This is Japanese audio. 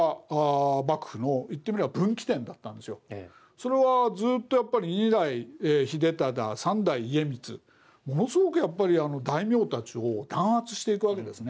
それはずっとやっぱり２代秀忠３代家光ものすごくやっぱり大名たちを弾圧していくわけですね。